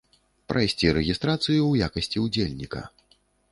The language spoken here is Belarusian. Прайсці рэгістрацыю ў якасці ўдзельніка.